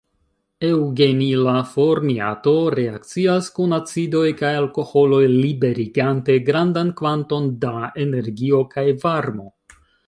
Eŭgenila formiato reakcias kun acidoj kaj alkoholoj liberigante grandan kvanton da energio kaj varmo.